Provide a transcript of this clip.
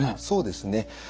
そうですね。